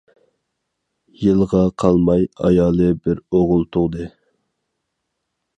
يىلغا قالماي ئايالى بىر ئوغۇل تۇغدى.